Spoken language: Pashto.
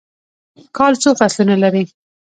کال څو فصلونه لري؟